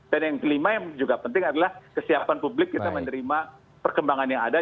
dan yang kelima yang juga penting adalah kesiapan publik kita menerima perkembangan yang ada